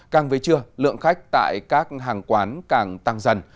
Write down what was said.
càng về trưa lượng khách tại các hàng quán càng tăng dần